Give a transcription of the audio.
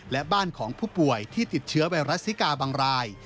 และบ้านของผู้ป่วยที่ติดเชื้อไวรัสซิกาบางราย